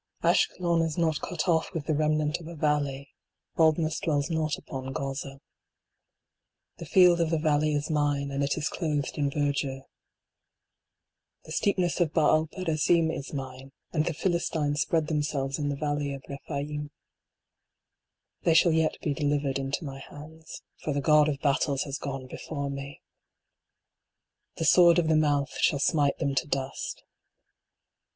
A SHKELON is not cut off with the remnant of a valley. Baldness dwells not upon Gaza. The field of the valley is mine, and it is clothed in ver dure. The steepness of Baal perazim is mine ; And the Philistines spread themselves in the valley of Rephaim. They shall yet be delivered into my hands. For the God of Battles has gone before me ! The sword of the mouth shall smite them to dust.